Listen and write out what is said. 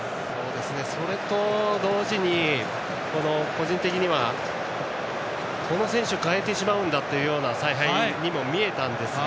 それと同時に、個人的にはこの選手を代えてしまうんだという采配にも見えたんですが。